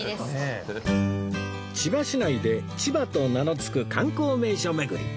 千葉市内で千葉と名のつく観光名所巡り